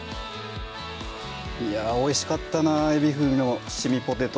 いやおいしかったな「海老風味の七味ポテト」